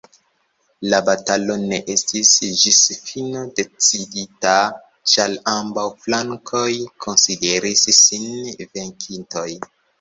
La batalo ne estis ĝis fino decidita ĉar ambaŭ flankoj konsideris sin venkintoj.